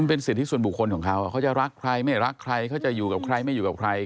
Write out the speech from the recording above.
เป็นสิทธิส่วนบุคคลของเขาเขาจะรักใครไม่รักใครเขาจะอยู่กับใครไม่อยู่กับใคร